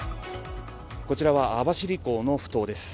こちらは網走港のふ頭です。